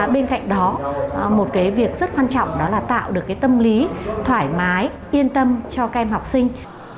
bên cạnh đó một cái việc rất quan trọng đó là tạo được cái tâm lý thoải mái yên tâm cho các em học sinh